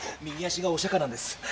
右足がおしゃかなんです。